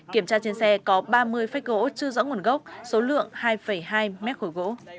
kiểm tra trên xe có ba mươi phách gỗ chưa rõ nguồn gốc số lượng hai hai mét khối gỗ